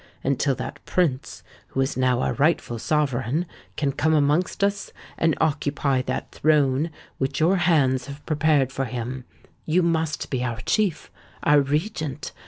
Until that Prince, who is now our rightful sovereign, can come amongst us, and occupy that throne which your hands have prepared for him, you must be our chief—our Regent.